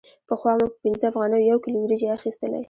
پخوا مو په پنځه افغانیو یو کیلو وریجې اخیستلې